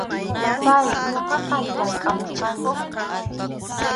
Papáy, ñuqaqa llamkʼamuchkanim.